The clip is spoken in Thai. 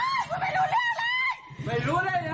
ไม่รู้เรื่องอะไร